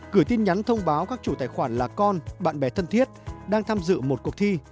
gửi tin nhắn thông báo các chủ tài khoản là con bạn bè thân thiết đang tham dự một cuộc thi